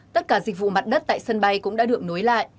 tất cả dịch vụ mặt đất tại sân bay cũng đã được nối lại